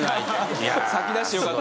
先出してよかった。